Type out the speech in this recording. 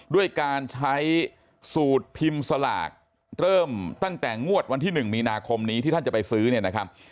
ด้วยการใช้สูตรพิมพ์สลากเริ่มตั้งแต่งวดวันที่๑มีนาคมนี้ที่ท่านจะไปซื้อเนี่ยนะครับ